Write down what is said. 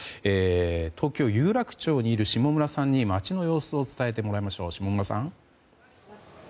東京・有楽町にいる下村さんに街の様子を伝えてもらいます。